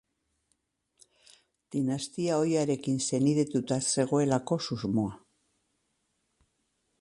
Dinastia ohiarekin senidetuta zegoelako susmoa.